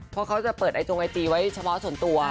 เพราะเขาจะเปิดไอจงไอจีไว้เฉพาะส่วนตัว